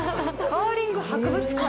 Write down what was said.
カーリング博物館。